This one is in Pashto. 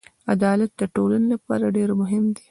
عدالت د ټولنې لپاره ډېر مهم دی.